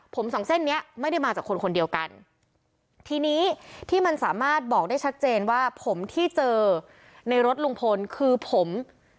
ผมสองเส้นเนี้ยไม่ได้มาจากคนคนเดียวกันทีนี้ที่มันสามารถบอกได้ชัดเจนว่าผมที่เจอในรถลุงพลคือผม